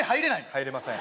入れません